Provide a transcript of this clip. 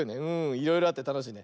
いろいろあってたのしいね。